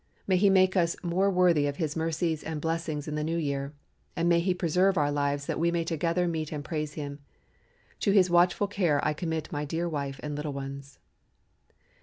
May He make us more worthy of His mercies and blessing in the New Year, and may He preserve our lives that we may together meet and praise Him. To His watchful care I commit my dear wife and little ones.